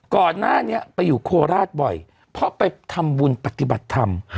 ก่อนหน้านี้ไปอยู่โคราชบ่อยเพราะไปทำบุญปฏิบัติธรรม